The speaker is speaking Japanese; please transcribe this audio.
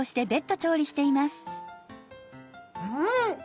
うん！